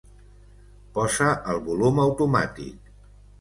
Posa el volum automàtic.